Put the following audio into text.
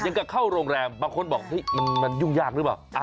ยังก็เข้าโรงแรมบางคนบอกมันยุ่งยากหรือเปล่า